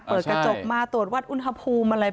เปิดกระจกมาตรวจวัดอุณหภูมิอะไร